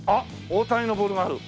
大谷のボールがある。